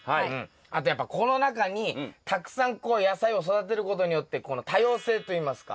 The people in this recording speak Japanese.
あとやっぱこの中にたくさんこう野菜を育てることによってこの多様性といいますか。